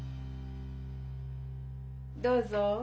どうぞ。